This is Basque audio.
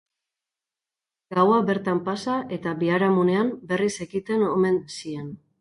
Gaua bertan pasa eta biharamunean berriz ekiten omen zien.